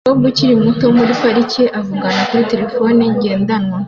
Umukobwa ukiri muto muri parike avugana kuri terefone ngendanwa